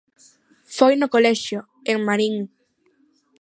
Foi no colexio, en Marín.